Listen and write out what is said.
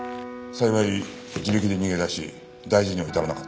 幸い自力で逃げ出し大事には至らなかった。